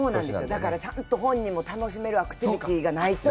だから本人も楽しめるアクティビティがないと。